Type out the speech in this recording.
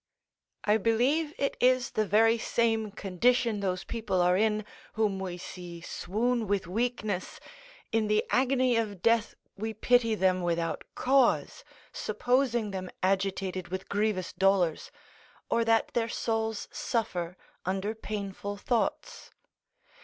I believe it is the very same condition those people are in, whom we see swoon with weakness in the agony of death we pity them without cause, supposing them agitated with grievous dolours, or that their souls suffer under painful thoughts.